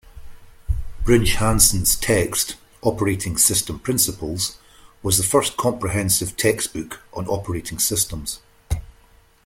Brinch Hansen's text, "Operating System Principles", was the first comprehensive textbook on operating systems.